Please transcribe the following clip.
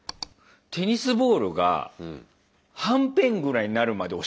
テニスボールがはんぺんぐらいになるまで押してるのに。